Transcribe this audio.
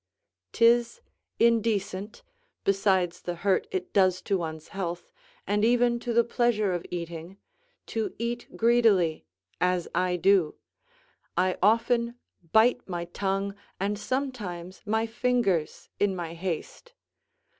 'Tis indecent, besides the hurt it does to one's health, and even to the pleasure of eating, to eat greedily as I do; I often bite my tongue, and sometimes my fingers, in my haste.